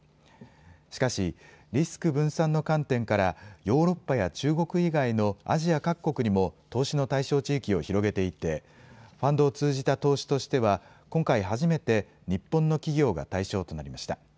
しかしリスク分散の観点からヨーロッパや中国以外のアジア各国にも投資の対象地域を広げていてファンドを通じた投資としては今回初めて日本の企業が対象となりました。